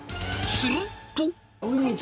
すると。